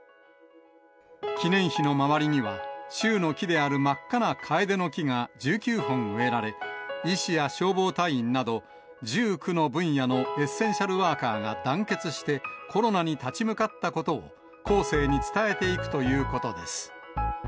記念碑の周りには、州の木である真っ赤なカエデの木が１９本植えられ、医師や消防隊員など、１９の分野のエッセンシャルワーカーが団結して、コロナに立ち向かったことを後世に伝えていくということです。